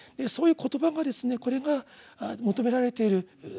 そういう「言葉」がですねこれが求められている。